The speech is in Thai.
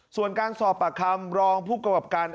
ส่วนการสอบประคำรองผู้กรรมการ